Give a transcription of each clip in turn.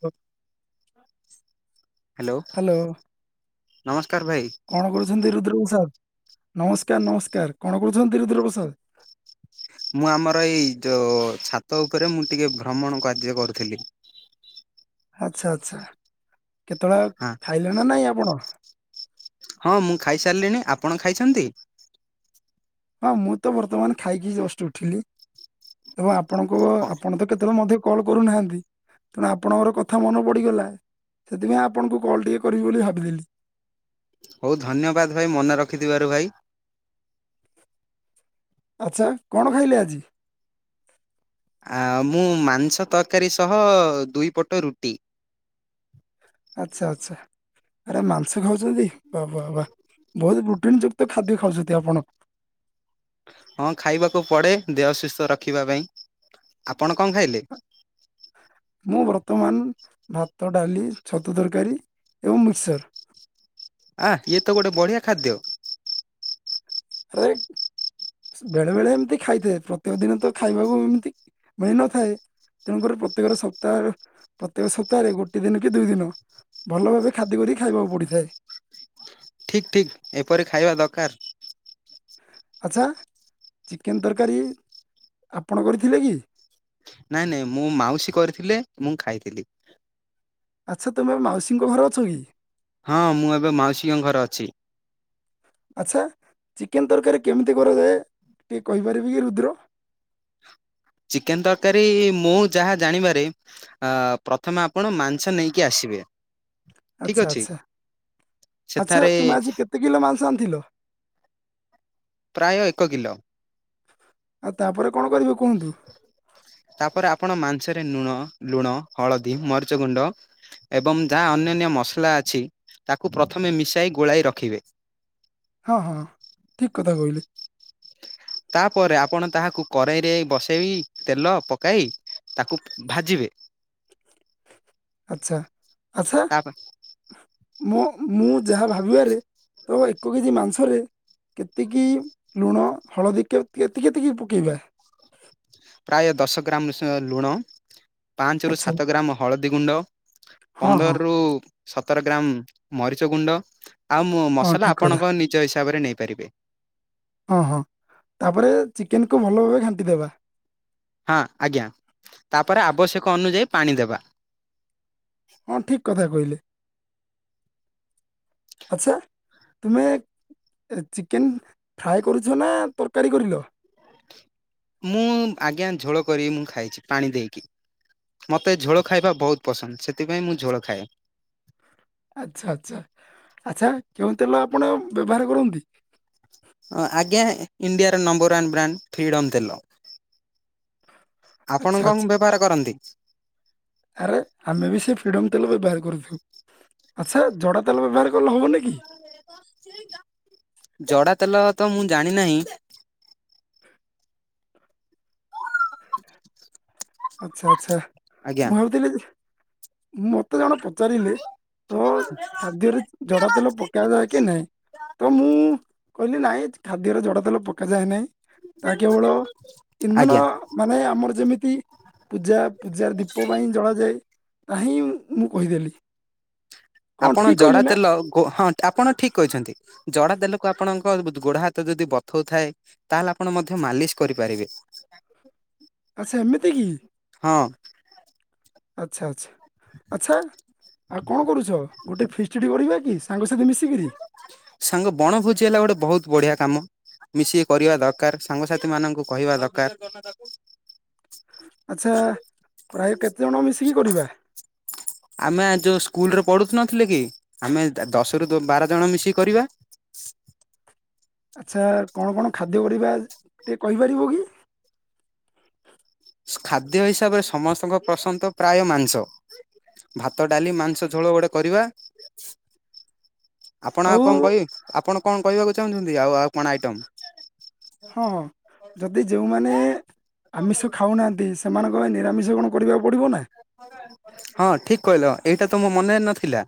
ହ [inaudible] ହ୍ୟାଲୋ ନମ କଣ କରୁଛନ୍ତି ରୁଦ୍ର ପ୍ରସାଦ? ନମସ୍କାର ନମସ୍କାର କଣ କରୁଛନ୍ତି ରୁଦ୍ର ପ୍ରସାଦ? ମୁଁ ଆମର ଏଇ ଯୋଉ ଛାତ ଉପରେ ମୁଁ ଟିକେ ଭ୍ରମଣ କାର୍ଯ୍ୟ କରୁଥିଲି। ଆଚ୍ଛା ଆଛା କେତେବେଳେ ହଁ ଖାଇଲେ ନା ନାଇଁ ଆପଣ? ହଁ ମୁଁ ଖାଇସାରିଲିଣି ଆପଣ ଖାଇଛନ୍ତି? ହଁ ମୁଁ ତ ବର୍ତ୍ତମାନ ଖାଇକି ଜଷ୍ଟ ଉଠିଲି। ଏବଂ ଆପଣଙ୍କ ଆପଣ ତ କେତେବେଳେ ମଧ୍ୟ କଲ କରୁନାହାନ୍ତି? ତେଣୁ ଆପଣଙ୍କର କଥା ମନେ ପଡିଗଲା। ସେଥିପାଇଁ ଆପଣଙ୍କୁ କଲ୍ ଟିକେ କରିବି ବୋଲି ଭାବିଦେଲି। ହଉ ଧନ୍ୟବାଦ ଭାଇ ମନେ ରଖିଥିବାରୁ ଭାଇ ଆଚ୍ଛା କଣ ଖାଇଲେ ଆଜି? ମୁଁ ମାଂସ ତରକାରୀ ସହ ଦୁଇ ପଟ ରୁଟି। ଆଚ୍ଛା ଆଛା ଆରେ ମାଂସ ଖାଉଛନ୍ତି? ବା ବା ବା ବହୁତୁ ପ୍ରଟିନ୍ ଯୁକ୍ତ ଖାଦ୍ୟ ଖାଉଛନ୍ତି ଆପଣ। ହଁ ଖାଇବାକୁ ପଡେ। ଦେହ ସୁସ୍ଥ ରଖିବା ପାଇଁ ଆପଣ କଣ ଖାଇଲେ? ମୁଁ ବର୍ତ୍ତମାନ ଭାତ, ଡାଲି, ଛତୁ ତରକାରୀ ଏବଂ ମିକ୍ସର୍। ଆ ଇଏ ତ ଗୋଟେ ବଢିଆ ଖାଦ୍ୟ। ଆରେ ବେଳେ ବେଳେ ଏମିତି ଖାଇଥାଏ ପ୍ରତ୍ୟେକ ଦିନ ତ ଖାଇବାକୁ ଏମିତି ମିଳିନଥାଏ। ତେଣୁକରି ପ୍ରତ୍ୟେକ ସପ୍ତାହ ପ୍ରତ୍ୟେକ ସପ୍ତାହରେ ଗୋଟେ ଦିନ କି ଦୁଇ ଦିନ ଭଲ ଭାବେ ଖାଦ୍ୟ କରିିକି ଖାଇବାକୁ ପଡିଥାଏ। ଠିକ ଠିକ ଏପରି ଖାଇବା ଦରକାର। ଆଚ୍ଛା ଚିକେନ ତରକାରୀ ଆପଣ କରିଥିଲେ କି? ନାଇଁ ନାଇଁ ମୋ ମାଉସୀ କରିଥିଲେ ମୁଁ ଖାଇଥିଲି। ଆଚ୍ଛା ତୁମେ ମାଉସୀଙ୍କ ଘରେ ଅଛ କି? ହଁ ମୁଁ ଏବେ ମାଉସୀଙ୍କ ଘର ଅଛି। ଆଚ୍ଛା ଚିକେନ ତରକାରୀ କେମିତି କରାଯାଏ ଟିକେ କହିପାରିବ କି ରୁଦ୍ର? [inaudible] ଚିକେନ ତରକାରୀ ମୁଁ ଯାହା ଜାଣିବାରେ ପ୍ରଥମେ ଆପଣ ମାଂସ ନେଇକି ଆସିବେ। [inaudible] ଠିକ ଆଚ୍ଛା ଅଛି ଆଚ୍ଛା ଆଚ୍ଛା ସେଠାରେ ତୁମେ ଆଜି କେତେ କିଲ ମାଂସ ଆଣିଥିଲ? ପ୍ରାୟ ଏକ କିଲ। ଆଉ ତାପରେ କଣ କରିବ କୁହନ୍ତୁ? ତାପରେ ଆପଣ ମାଂସରେ ଲୁଣ ଲୁଣ, ହଳଦୀ, ମରିଚ ଗୁଣ୍ଡ ଏବଂ ଯାହା ଅନ୍ୟାନ୍ୟ ମସଲା ଅଛି ତାକୁ ପ୍ରଥମେ ମିଶାଇ ଗୋଳାଇ ରଖିବେ। ହଁ ହଁ ଠିକ କଥା କହିଲେ। ତାପରେ ଆପଣ ତାହାକୁ କରେଇରେ ବସେଇ ତେଲ ପକାଇ ତାକୁ ଭାଜିବେ। [inaudible] ଆଚ୍ଛା ଆଚ୍ଛା ତା ମୋ ମୁଁ ଯାହା ଭାବିବାରେ ତ ଏକ କେଜି ମାଂସରେ କେତିକି ଲୁଣ, ହଳଦୀ କେତିକି କେତିକି ପକେଇବା? ପ୍ରାୟ ଦଶ ଗ୍ରାମ ଲୁଣ। ପାଞ୍ଚରୁ ଆଚ୍ଛା ସାତ ଗ୍ରାମ ହଳଦୀ ଗୁଣ୍ଡ ହଁ ହଁ ପନ୍ଦରରୁୁ ସତର ଗ୍ରାମ ମରିଚ ଗୁଣ୍ଡ ଆଉ ହଁ ମସଲା ଠିକ କଥା ଆପଣଙ୍କ ନିଜ ହିସାବରେ ନେଇପାରିବେ। ହଁ ହଁ ତାପରେ ଚିକେନକୁ ଭଲ ଭାବେ ଘାଣ୍ଟିଦେବା ହଁ ଆଜ୍ଞା ତାପରେ ଆବଶ୍ୟକ ଅନୁଯାୟୀ ପାଣି ଦବା ହଁ ଠିକ କଥା କହିଲେ। ଆଚ୍ଛା ତୁମେ ଚିକେନ ଫ୍ରାଏ କରୁଛ ନା ତରକାରୀ କରିଲ? ମୁଁ ଆଜ୍ଞା ଝୋଳ କରିିବି ମୁଁ ଖାଇଚି ପାଣି ଦେଇକି ମୋତେ ଝୋଳ ଖାଇବା ବହୁତ ପସନ୍ଦ ସେଥିପାଇଁ ମୁଁ ଝୋଳ ଖାଏ। ଆଚ୍ଛା ଆଚ୍ଛା ଆଚ୍ଛା କେଉଁ ତେଲ ଆପଣ ବ୍ୟବହାର କରନ୍ତି? ଆଜ୍ଞା ଇଣ୍ଡିଆର ନମ୍ବର ୱାନ୍ ବ୍ରାଣ୍ଡ ଫ୍ରିଡ଼ମ ତେଲ। ଆପଣ ଆଚ୍ଛା କଣ ଆଚ୍ଛା ବ୍ୟବହାର କରନ୍ତି? ଆରେ ଆମେ ବି ସେ ଫିଡମ ବ୍ୟବହାର ଆଚ୍ଛା ଜଡା ତେଲ ବ୍ୟବହାର କଲେ ହବନି କି? ଜଡା ତେଲ ତ ମୁଁ ଜାଣି ନାହିଁ ଆଚ୍ଛା ଆଚ୍ଛା ଆଜ୍ଞା ମୁଁ ଭାବୁଥିଲି ଯେ ମୁଁ ମତେ ଜଣ ପଚାରିଲେ ତ ଖାଦ୍ୟରେ ଜଡା ତେଲ ପକା ଯାଏ କି ନାଇଁ? ତ ମୁଁ କହିଲି ନାଇଁ ଖାଦ୍ୟର ଜଡା ତେଲ ପକା ଯାଏ ନାହିଁ ତା କେବଳ ଇନ୍ଧନ ଆଜ୍ଞା ମାନେ ଆମର ଯେମିତି ପୂଜା ପୂଜାର ଦୀପ ପାଇଁ ଜଳାଯାଏ ତାହିିଁ ମୁଁ କହିଦେଲି। କଣ ଆପଣ ଠିକ ଜଡା କହିଲି ନା ତେଲ ହଁ ଆପଣ ଠିକ କହିଛନ୍ତି ଜଡା ତେଲକୁ ଆପଣ ଗୋଡ ହାତ ଯଦି ବଥଉ ଥାଏ ତାହେଲେ ଆପଣ ମଧ୍ୟ ମାଲିସ କରିପାରିବେ। ଆଚ୍ଛା ଏମିତି କି? ହଁ ଆଚ୍ଛା ଆଚ୍ଛା ଆଚ୍ଛା ଆଉ କଣ କରୁଛ। ଗୋଟେ ଫିଷ୍ଟ ଡି କରିବା କି ସାଙ୍ଗ ସାଙ୍ଗ ବଣଭୋଜି ହେଲା ଗୋଟେ ବହୁତ ବଢିଆ କାମ। ମିଶିକି କରିବା ଦରକାର ସାଙ୍ଗସାଥି ମାନଙ୍କୁ କହିବା ଦକାର। ଆଚ୍ଛା ପ୍ରାୟ କେତେଜଣ ମିଶିକି କରିବା? ସ୍କୁଲ ରେ ପଢୁ ନଥିଲେ କି, ଆମ ଦା ଦଶ ରୁ ବାର ଜଣ ମିଶିକି କରିବା। ଆଚ୍ଛା କଣ କଣ ଖାଦ୍ୟ କରିବା ଟିକେ କହିପାରିବ କି? ଖାଦ୍ୟ ହିସାବରେ ସମସ୍ତଙ୍କ ପସନ୍ଦ ପ୍ରାୟ ମାଂସ। ଭାତ ଡାଲି ମାଂସ ଝୋଳ ଗୋଟେ କରିବା। ଆପଣ ଆଉ କଣ କରିବେ ଆପଣ କଣ କହିବାକୁ ଚାହୁଁଛନ୍ତି ଆଉ ଆଉ କଣ ଆଇଟମ୍? ହଁ ହଁ ଯଦି ଯୋଉମାନେ ଆମିଷ ଖାଉନାହାଁନ୍ତି ସେମାନଙ୍କ ପାଇଁ ନିରାମିଷ କଣ କରିବାକୁ ପଡ଼ିବ ନା? ହଁ ଠିକ କହିଲ ଏଇଟା ତ ମୋ ମନେ ରେ ନଥିଲା।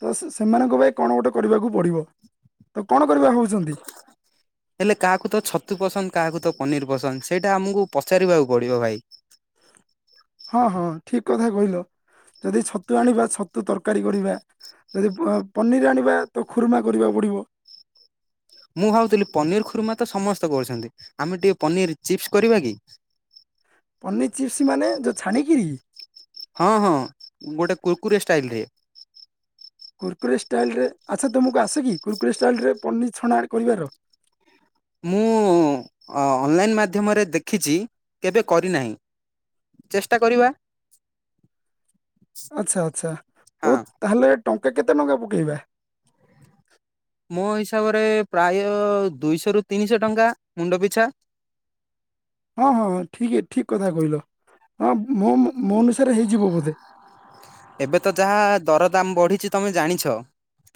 ତ ସେ-ସେମାନଙ୍କ ପାଇଁ କଣ ଗୋଟେ କରିବାକୁ ପଡିବ। ତ କଣ କରିବା ଭାବୁଛନ୍ତି ହେଲେ କାହାକୁ ତ ଛତୁ ପସନ୍ଦ। କାହାକୁ ତ ପନିର ପସନ୍ଦ ସେଇଟା ଆମକୁ ପଚାରିବାକୁ ପଡିବ ଭାଇ? ହଁ ହଁ ଠିକ କଥା କହିଲ ଯଦି ଛତୁ ଆଣିବା ଛତୁ ତରକାରୀ କରିବା। ଯଦି ପା-ପନିର ଆଣିବା ତ ଖୁର୍ମା କରିବାକୁ ପଡିବ। ମୁଁ ଭାବୁଥିଲି ପନିର ଖୁର୍ମା ତ ସମସ୍ତେ କରୁଚନ୍ତି। ଆମେ ଟିକେ ପନିର ଚିପ୍ସ କରିବା କି? ପନିର ଚିପ୍ସ ମାନେ ଯୋଉ ଛାଣିକିରି? ହଁ ହଁ ଗୋଟେ କୁର୍କୁରି ଷ୍ଟାଇଲ ରେ। କୁକୁର୍ରେ ଷ୍ଟାଇଲରେ ଆଚ୍ଛା ତୁମକୁ ଆସେ କି କୁକୁରେ ଷ୍ଟାଇଲରେ ପନିର ଛଣା କରିବାର? [unintelligible] ମୁଁ ଅ-ଅନଲାଇନ୍ ମାଧ୍ୟମରେ ଦେଖିଚି କେବେ କରିନାହିଁ। ଚେଷ୍ଟା କରିବା। ଆଚ୍ଛା ଆଚ୍ଛା ହଁ ହଉ ତାହଲେ ଟଙ୍କା କେତେ ଟଙ୍କା ପକେଇବା? ମୋ ହିସାବରେ ପ୍ରାୟ ଦୁଇଶହ ରୁ ତିନିଶହ ଟଙ୍କା ମୁଣ୍ଡ ପିଛା। ହଁ ହଁ ଠିକ ଏ ଠିକ କଥା କହିଲ। ହଁ ମୋ-ମୋ-ମୋ ଅନୁସାରେ ହେଇଯିବ ବୋଧେ। ଏବେ ତ ଯାହା ଦର ଦାମ ବଢିଛି, ତମେ ଜାଣିଛ?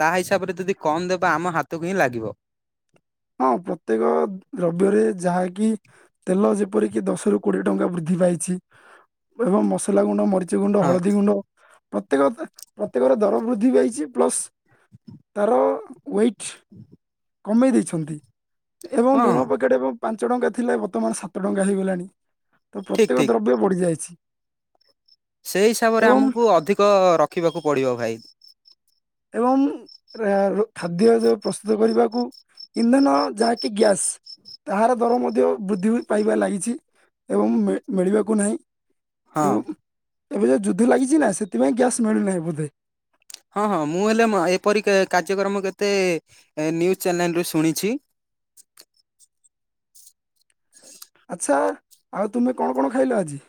ତା ହିସାବରେ ଯଦି କମ ଦେବା ଆମ ହାତକୁ ହିଁ ଲାଗିବ। ହଁ ପ୍ରତ୍ୟେକ ଦ୍ରବ୍ୟରେ ଯାହାକି ତେଲ ଯେପରିକି ଦଶରୁୁ କୋଡିଏ ଟଙ୍କା ବୃଦ୍ଧି ପାଇଛି ଏବଂ ମସଲା ଗୁଣ୍ଡ ମରି ରୁଚି ଗୁଣ୍ଡ, ହଁ ହଳଦୀ ଗୁଣ୍ଡ ପ୍ରତ୍ୟେକରେ ପ୍ରତ୍ୟେକରେ ଦର ବୃଦ୍ଧି ପାଇଚି। ପ୍ଲସ୍ ତାର ୱେଟ୍ କମେଇ ଦେଇଛନ୍ତି ଏବଂ ହଁ ଲୁଣ ପକେଟ୍ ଏବଂ ପାନ୍ ପାଞ୍ଚ ଟଙ୍କା ଥିଲା ବର୍ତ୍ତମାନ ସାତ ଟଙ୍କା ହେଇଗଲାଣି। ତ ଠିକ ପ୍ରତ୍ୟେକ ଠିକ ଦ୍ରବ୍ୟ ବଢ଼ିଯାଇଛି। ସେଇ ହିସାବରେ ଏବଂ ଆମକୁ ଅଧିକ ରଖିବାକୁ ପଡିବ ଭାଇ। କମ ଆ ରୁ ଖାଦ୍ୟ ଯୋଉ ପ୍ରସ୍ତୁତ କରିବାକୁ ଇନ୍ଧନ ଯାହାକି ଗ୍ୟାସ ତାହାର ଦର ମଧ୍ୟ ବୃଦ୍ଧି ପାଇବାରେ ଲାଗିଛି। ଏବଂ ମିଳି ମିଳିବାକୁ ନାହିଁ। ହଁ ଏବଂ ଏବେ ଯୋଉ ଯୁଦ୍ଧ ଲାଗିଚି ନା ସେଥିପାଇଁ ଗ୍ୟାସ ମିଳୁନାହିଁ ବୋଧେ? ହଁ ହଁ ମୁଁ ହେଲେ ମ ଏପରି କେ କାର୍ଯ୍ୟକ୍ରମ କେତେ ଏ ନ୍ୟୁଜ ଚ୍ୟାନେଲ ରୁ ଶୁଣିଛି। ଆଚ୍ଛା ଆଉ ତୁମେ କଣ କଣ ଖାଇଲ ଆଜି?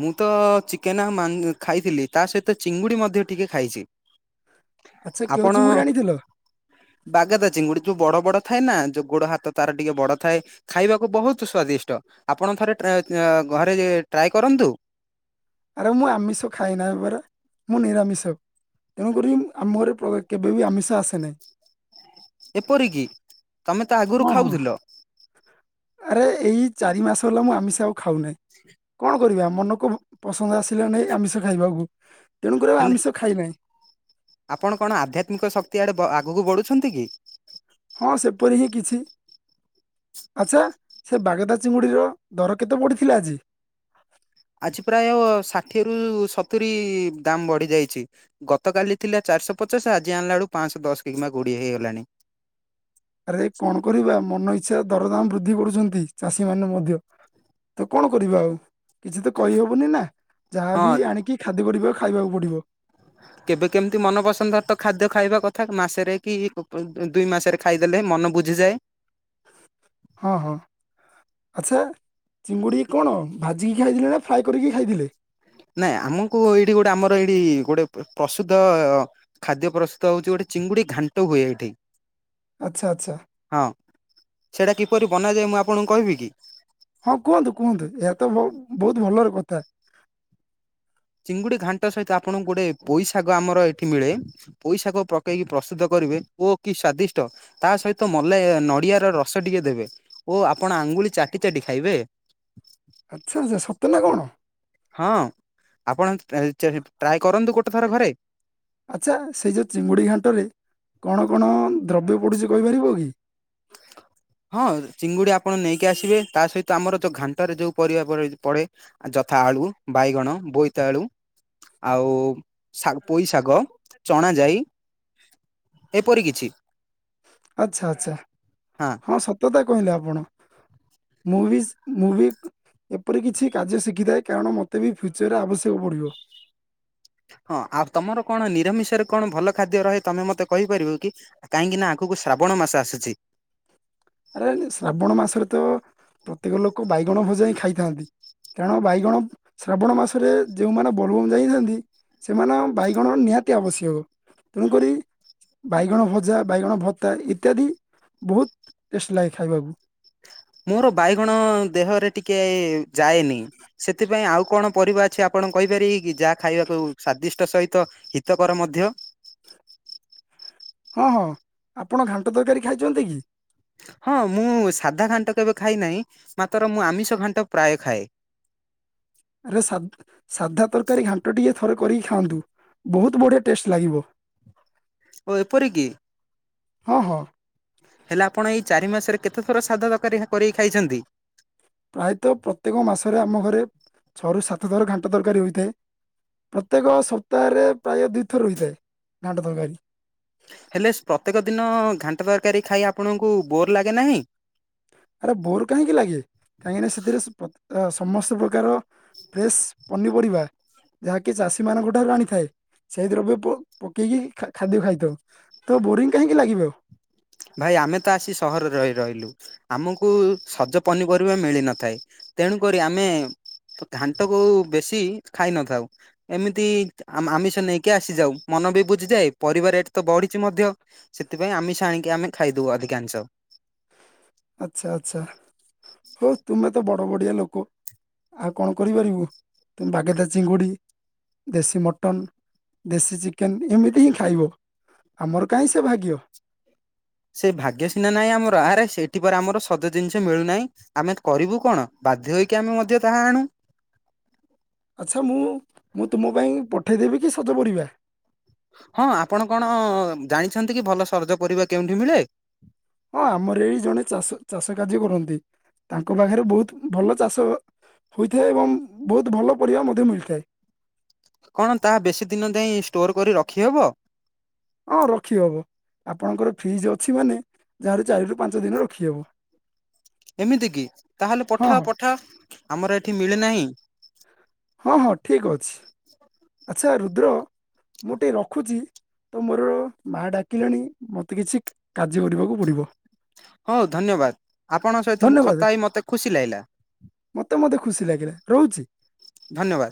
ମୁଁ ତ ଚିକେନ ଆଉ ମାନ୍ ଖାଇଥିଲି ତା ସହିତ ଚିଙ୍ଗୁଡି ମଧ୍ୟ ଟିକେ ଖାଇଛି। ଆଚ୍ଛା କେଉଁ ଆପଣ ଚିଙ୍ଗୁଡ଼ି ଆଣିଥିଲ ବାଗାଦା ଚିଙ୍ଗୁଡି ଯୋଉ ବଡ ବଡ ଥାଏ ନା ଯୋଉ ଗୋଡ ହାତ ତାର ଟିକେ ବଡ ଥାଏ ଖାଇବାକୁ ବହୁତ ସ୍ଵାଦିଷ୍ଟ। ଆପଣ ଥରେ ଟ୍ରା ଏଁ ତ୍ ଆଁ ଘରେ ଟ୍ରାଏ କରନ୍ତୁ। ଆରେ ମୁଁ ଆମିଷ ଖାଇ ନାଇଁ ପରା ମୁଁ ନିରାମିଷ। ତେଣୁକରି ଆମ ଘରେ ପ୍ର କେବେ ବି ଆମିଷ ଆସେ ନାହିଁ। ଏପରିକି। ତମେ ତ ଆଗରୁ ହଁ ହଁ ଖାଉଥିଲ ଆରେ ଏଇ ଚାରି ମାସ ହେଲା ମୁଁ ଆମିଷ ଆଉ ଖାଉ ନାହିଁ, କଣ କରିବି ଆମ ଚେ ମନକୁ ପସନ୍ଦ ଆସିଲା ନାହି ଆମିଷ ଖାଇବାକୁ ତେଣୁକରି ଆଉ ହେଲେ ଆମିଷ ଖାଇନାହିଁ। ଆପଣ କଣ ଆଧ୍ୟାତ୍ମିକ ଶକ୍ତି ଆଡେ ଆ ଆଗକୁ ବଢୁଛନ୍ତି କି? ହଁ ସେପରି ହିଁ କିଛି। ଆଚ୍ଛା ସେ ବାଗଦା ଚିଙ୍ଗୁଡିର ଦର କେତେ ପଡିଥିଲା ଆଜି? ଆଜି ପ୍ରାୟ ଷାଠିଏରୁୁ ସତୁରୀ ଦାମ ବଢି ଯାଇଚି ଗତକାଲି ଥିଲା ଚା ଚାରିଶହ ପଚାଶେ ଆଜି ଆଣିଲା ବେଳକୁ ପାଆଶହ ଦଶ କିମ୍ବା କୋଡ଼ିଏ ହୋଇଗଲାଣି। ଆରେ କଣ କରିବା ମନ ଇଚ୍ଛା ସେ ଦରଦାମ ବୃଦ୍ଧି କରୁଛନ୍ତି ଚାଷୀ ମାନେ ମଧ୍ୟ ତ କଣ କରି କିଛି ତ କହିହବନି ନା ଯାହା ହଁ ବି ଆଣିକି ଖାଦ୍ୟ ପରି କରିବଲ ଖାଇବାକୁ ପଡିବ। କେବେ କେମିତି ମନ ପସନ୍ଦର ଖାଦ୍ୟ ଖାଇବା କଥା ମାସରେ କି ଦୁଇ ମାସରେ ଖାଇଦେଲେ ମନ ବୁଝ ଯେ ହଁ ହଁ। ଆଚ୍ଛା ଚିଙ୍ଗୁଡି କଣ ଭାଜିକି ଖାଇଥିଲେ ନା ଫ୍ରାଏ କରିକି ଖାଇଥିଲେ। ନାଇଁ ଆମକୁ ଏଇଠି ଗୋଟେ ଆମର ଏଇଠି ଗୋଟେ ପ୍ରସୂତ ଖାଦ୍ୟ ପ୍ରସ୍ତୁତ ହୋଉଚି ଗୋଟେ ଗୋଟେ ଚିଙ୍ଗୁଡି ଘାଣ୍ଟ ହୁଏ ଏଇଠି। ଆଚ୍ଛା ଆଚ୍ଛା ହଁ ସେଟା କିପରି ବନାଯାଏ ମୁଁ ଆପଣଙ୍କୁ କହିବି କି? ହଁ କୁହନ୍ତୁ କୁହନ୍ତୁ ଏହା ତ ଚିଙ୍ଗୁଡି ଘାଣ୍ଟ ସହିତ ଆପଣଙ୍କୁ ଗୋଟେ ପୋଇଶାଗ ଆମର ଏଠି ମିଳେ ପୋଇଶାଗ ପକେଇକି ପ୍ରସ୍ତୁତ କ କରିବେ ଓ କି ସ୍ୱାଦିଷ୍ଟ ତା ସହିତ ମଲେଇ ନଡିଆର ରସ ଟିକେ ଦେବେ ଓ ଆପଣ ଆଙ୍ଗୁ ଲି ଚାଟି ଚାଟି ଖାଇବେ। ଆଚ୍ଛା ଆଚ୍ଛା ସତେ ନା କଣ ହଁ ଆପଣ ଟ୍ରାଏ କରନ୍ତୁ ଗୋଟେ ଥର ଘରେ। ଆଚ୍ଛା ସେଇ ଯେଉଁ ଚିଙ୍ଗୁଡ଼ି ଘାଣ୍ଟରେ କଣ କଣ ଦ୍ରବ୍ୟ ପଡ଼ୁଚି କହିପାରିବ କି? ହଁ ଚିଙ୍ଗୁଡି ଆପଣ ନେଇକି ଆସିବେ ତା ସହିତ ଆମର ଯୋଉ ଘାଣ୍ଟରେ ଯୋଉ ପରିବା ପଡେ ଯତ୍ ଯଥା ଆଳୁ, ବାଇଗଣ, ବୋଇତାଲୁ। ଆଉ ଶା ପୋଇ ଶାଗ, ଚଣା ଯାଇ। ଏପରି କିଛି ଆଛା ଆଛା ହଁ ସତତା କହିଲେ ଆପଣ। ମୁ ଭିିସ୍ ମୁ ଭିି ଏପରି କିଛି କାର୍ଯ୍ୟ ଶିଖିଥାଏ କାରଣ ମୋତେ ବି ଫ୍ୟୁଚରରେ ଆବଶ୍ୟକ ପଡ଼ିବ। ହଁ ଆଉ ତମର କଣ ନିରାମିଷରେ କଣ ଭଲ ଖାଦ୍ୟ ରହେ ତମେ ମତେ କହିପାରିବ କି? କାହିଁକି ନା ଆ କୁ ଶ୍ରାବଣ ମାସ ଆସୁ ଆରେ ଶ୍ରାବଣ ମାସରେ ତ ପ୍ରତ୍ୟେକ ଲୋକ ବାଇଗଣ ଭଜା ହିଁ ଖାଇଥାନ୍ତି। କାରଣ ବାଇଗଣ ଶ୍ରାବଣ ମାସରେ ଯୋଉମାନେ ବୋଲବମ୍ ଯାଇନାଇ ସେମାନ ବାଇଗଣ ନିହାତି ଆବଶ୍ୟକ। ତେଣୁକରି ବାଇଗଣ ଭଜା ବାଇଗଣ ଭତ୍ତା ଇତ୍ୟାଦି ବୋହୁତ ଟେଷ୍ଟ ଲାଗେ ଖାଇବାକୁ। ମୋର ବାଇଗଣ ଦେହରେ ଟିକେ ଯାଏନି, ସେଥିପାଇଁ ଆଉ କଣ ପରିବା ଅଛି ଆପଣଙ୍କୁ କହିପାରି ଯାହା ଖାଇବାକୁ ସ୍ଵାଦିଷ୍ଟ ସହିତ ହିତକର ମଧ୍ୟ? ହଁ ହଁ ଆପଣ ଘାଣ୍ଟ ତରକାରୀ ଖାଇଛନ୍ତି କି? ହଁ ମୁଁ ସାଧା ଘାଣ୍ଟ କେବେ ଖାଇ ନାହିଁ ମାତ୍ର ମୁଁ ଆମିଷ ଘାଣ୍ଟ ପ୍ରାୟ ଖାଏ। ଆରେ ସା ସାଧା ତରକାରୀ ଘାଣ୍ଟ ଟିକେ ଥରେ କରିକି ଖାଆନ୍ତୁ। ବହୁତ ବଢିଆ ଟେଷ୍ଟ ଲାଗିବ। ଓ ଏପରି କି ହଁ ହଁ। ହେଲେ ଆପଣ ଏଇ ଚାରି ମାସରେ କେତେ ଥର ସାଦା ତରକାରୀ କରିକି ଖାଇଛନ୍ତି? ପ୍ରାୟତଃ ପ୍ରତ୍ୟେକ ମାସରେ ଆମ ଘରେ ଛଅରୁ ସାତ ଥର ଘାଣ୍ଟ ତରକାରୀ ହୋଇଥାଏ। ପ୍ରତ୍ୟେକ ସପ୍ତାହରେ ପ୍ରାୟ ଦୁଇଥର ହେଇଥାଏ ଘାଣ୍ଟ ତରକାରୀ। ହେଲେ ପ୍ରତ୍ୟେକ ଦିନ ଘାଣ୍ଟ ତରକାରୀ ଖାଇ ଆପଣଙ୍କୁ ବୋର୍ ଲାଗେ ନାହିଁ। ଆରେ ବୋର କାହିଁକି ଲାଗେ କାହିଁକିନା ସେଥିରେ ସ- ପ୍ର- ଅ ସମସ୍ତ ପ୍ରକାର ଫ୍ରେଶ ପନିପରିବା ଯାହାକି ଚାଷୀ ମାନଙ୍କ ଠାରୁ ଆଣିଥାଏ। ସେଇ ଦ୍ରବ୍ୟ ପ-ପକେଇକି ଖା-ଖାଦ୍ୟ ଖାଇଥାଉ ତ ବୋରିଂ କାହିଁକି ଲାଗିବ ଆଉ। ଭାଇ ଆମେ ତ ଆସି ସହରରେ ରହି- ରହିଲୁ ଆମକୁ ସଜ ପନିପରିବା ମିଳିନଥାଏ। ତେଣୁ କରି ଆମେ ତ ଘାଣ୍ଟ କୁ ବେଶୀ ଖାଇ ନଥାଉ ଏମିତି ଆ-ଆମିଷ ନେଇକି ଆସିଯାଉ ମ ମନ ବି ବୁଝିଯାଏ, ପାରିବା ରେଟ ତ ବଢିଛି ସେଥିପାଇଁ ଆମିଶ ଆ କି ଆମେ ଖାଇଦଉୁ ଅଧିକାଂଶ। ଆଚ୍ଛା ଆଛା ହଉ ତୁମେ ତ ବଡ ବଡିଆ ଲୋକ। ଆଉ କଣ କରିପାରିବୁ ତୁମେ ବାଗେଦା ଚିଙ୍ଗୁଡି ଦେଶୀ ମଟନ ଦେଶୀ ଚିକେନ ଏମିତି ହିଁ ଖାଇବ। ଆମର କାହିଁ ସେ ଭାଗ୍ୟ। ସେ ଭାଗ୍ୟ ସିନା ନାଇଁ ଆମର ଆରେ ସେଠି ପରେ ଆମର ସଜ ଜିନିଷ ମିଳୁନାହିଁ ଆମେ କରିବୁ କଣ ବା ବାଧ୍ୟ ହୋଇକି ଆମେ ମଧ୍ୟ ତାହା ଆଣୁ। ଆଚ୍ଛା ମୁଁ ମୁଁ ତୁମ ପାଇଁ ପଠେଇ ଦେବି କି ସଜ ପରିବା? ହଁ ଆପଣ କଣ ଜାଣିଛନ୍ତି କି ଭଲ ସରଜ ପରିବା କେଉଁଠି ମିଳେ? ହଁ ଆମର ଏଇ ଜଣେ ଚାଷ-ଚାଷ କାର୍ଯ୍ୟ କରନ୍ତି। ତାଙ୍କ ପାଖରେ ବହୁତ ଭଲ ଚାଷ ହୋଇଥାଏ ଏବଂ ବହୁତ ଭଲ ପରିବା ମଧ୍ୟ ମିଳିଥାଏ। କଣ ତାହା ବେଶୀ ଦିନ ଯାଏ ଷ୍ଟୋର କରି ରଖିହେବ? ହଁ ରଖି ହବ। ଆପଣଙ୍କର ଫ୍ରିଜ ଅଛି ମାନେ ଯାହାର ଚାରି ରୁ ପାଞ୍ଚ ଦିନ ରଖିହବ। ଏମିତି କି ତାହେଲେ ହଁ ପଠାଅ ହଁ ପଠାଅ ଆମର ଏଠି ମିଳେନାହିଁ। ହଁ ହଁ ଠିକ ଅଛି ଆଚ୍ଛା ରୁଦ୍ର ମୁଁ ଟିକେ ରଖୁଛି। ତ ମୋର ମା ଡାକିଲେଣି ମତେ କିଛି କାର୍ଯ୍ୟ କରିବାକୁ ପଡିବ। ହଉ ଧନ୍ୟବାଦ ଆପଣଙ୍କ ସହିତ ଧନ୍ୟବାଦ ଖତା ହେଇ ମତେ ଖୁସି ଲାଗିଲା। ମତେ [unintelligible] ରହୁଛି। ଧନ୍ୟବାଦ।